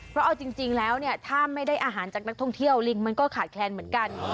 เพราะเอาจริงแล้วเนี่ยถ้าไม่ได้อาหารจากนักท่องเที่ยวลิงมันก็ขาดแคลนเหมือนกัน